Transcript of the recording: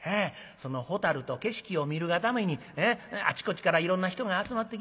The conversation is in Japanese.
そのホタルと景色を見るがためにあちこちからいろんな人が集まってきまんねん。